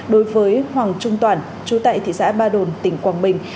đối với hoàng trung toản trú tại thị xã ba đồn tỉnh quảng bình